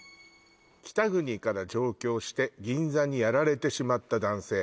「北国から上京して銀座にやられてしまった男性」